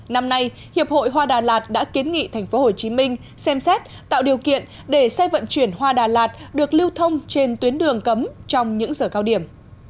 năm nay hiệp hội hoa đà lạt đã kiến nghị tp hcm xem xét tạo điều kiện để xe vận chuyển hoa đà lạt được lưu thông trên tuyến đường cấm trong những giờ cao điểm